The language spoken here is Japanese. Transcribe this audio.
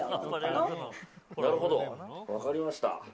なるほど、分かりました。